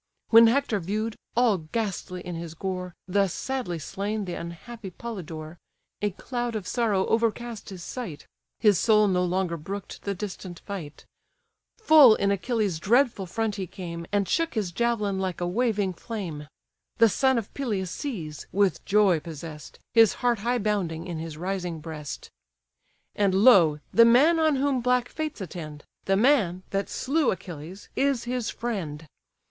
When Hector view'd, all ghastly in his gore, Thus sadly slain the unhappy Polydore, A cloud of sorrow overcast his sight, His soul no longer brook'd the distant fight: Full in Achilles' dreadful front he came, And shook his javelin like a waving flame. The son of Peleus sees, with joy possess'd, His heart high bounding in his rising breast. "And, lo! the man on whom black fates attend; The man, that slew Achilles, is his friend!